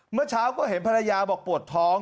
เมื่อเช้าก็เห็นภรรยาบอกปวดท้อง